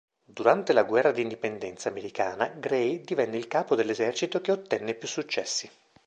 Durante la guerra d'indipendenza americana Grey divenne il capo dell'esercito che ottenne più successi.